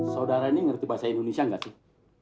saudara ini mengerti bahasa indonesia enggak sih